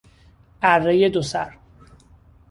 ارهی دوسر